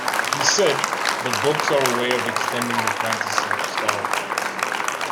He said, "The books are a way of extending the fantasy of "Star Wars".